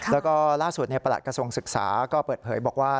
แล้วก็ล่าสุดประหลัดกระทรวงศึกษาก็เปิดเผยบอกว่า